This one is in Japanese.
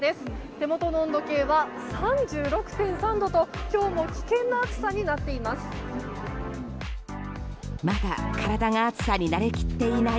手元の温度計は３６．３度と今日も危険な暑さになっています。